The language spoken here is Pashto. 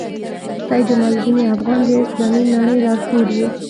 سید جمال الدین افغاني د اسلامي نړۍ لارښود وو.